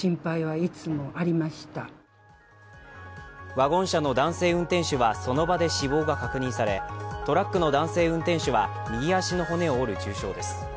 ワゴン車の男性運転手はその場で死亡が確認されトラックの男性運転手は右足の骨を折る重傷です。